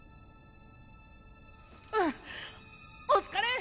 うんお疲れ！